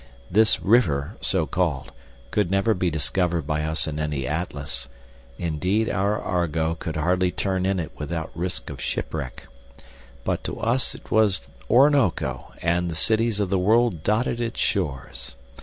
This "river," so called, could never be discovered by us in any atlas; indeed our Argo could hardly turn in it without risk of shipwreck. But to us 't was Orinoco, and the cities of the world dotted its shores.